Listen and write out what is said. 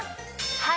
はい！